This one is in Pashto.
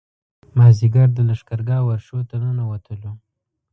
مازیګر د لښکرګاه ورشو ته ننوتلو.